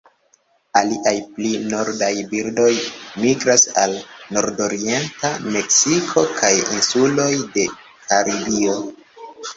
Aliaj pli nordaj birdoj migras al nordorienta Meksiko kaj insuloj de Karibio.